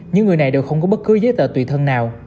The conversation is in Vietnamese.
những người này đều không có bất cứ giấy tờ tùy thân nào